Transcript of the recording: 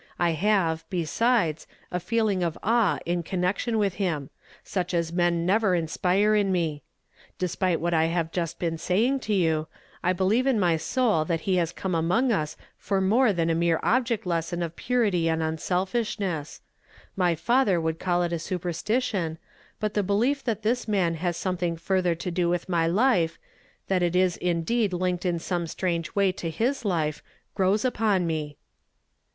I have, besides, a feeling of awe in connection with him ; such as men never inspire in me. Despite what I have just been saying to you, I believe in my soul that >^ if li' m m 98 YESTERDAY FRAMED IN TO DAY. he has come among us for more than a mere object lesson of purity and unseltlslitiess. My father would call it a superstition; but the belief that this man has something further to do with my life, that it is indeed linked in some strange way to his life, grows upon me."